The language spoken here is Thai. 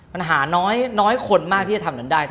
ปัญหาน้อยคนมากที่จะทำนั้นได้